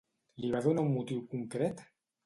Li va donar un motiu concret?